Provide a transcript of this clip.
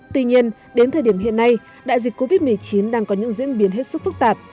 tuy nhiên đến thời điểm hiện nay đại dịch covid một mươi chín đang có những diễn biến hết sức phức tạp